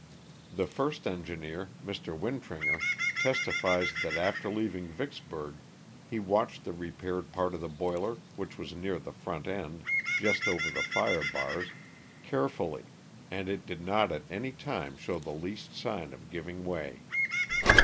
The first engineer, Mr. Wintringer, testifies that after leaving Vicksburg he watched the repaired part of the boiler, which was near the front end, just over the fire bars, carefully, and it did not at any time show the least sign of giving way.